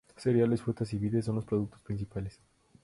Cereales, frutas y vides son los productos principales.